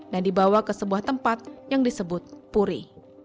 dan dibawa ke sebuah tempat yang disebut puri